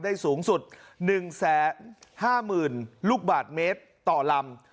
ได้สูงสุด๑๕๐๐๐ลูกบาทเมตรต่อลำ